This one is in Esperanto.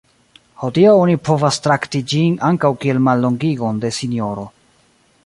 Hodiaŭ oni povas trakti ĝin ankaŭ kiel mallongigon de sinjoro.